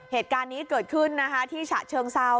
เหตุการณ์นี้เกิดขึ้นนะคะที่ฉะเชิงเซา